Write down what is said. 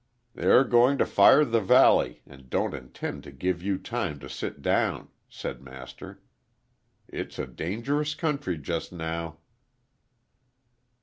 "They're going to fire the valley, and don't intend to give you time to sit down," said Master. "It's a dangerous country just now."